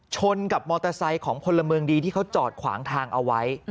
ชนกับมอเตอร์ไซค์ของพลเมืองดีที่เขาจอดขวางทางเอาไว้